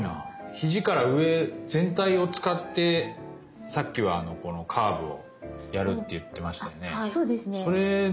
肘から上全体を使ってさっきはこのカーブをやるって言ってましたよね。